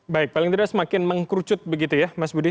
baik paling tidak semakin mengkerucut begitu ya mas budi